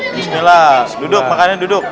bismillah duduk makannya duduk